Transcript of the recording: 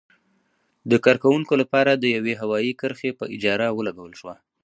د کارکوونکو لپاره د یوې هوايي کرښې په اجاره ولګول شوه.